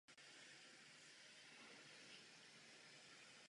Podívejme se na spolehlivost tohoto tažení proti daňovým rájům.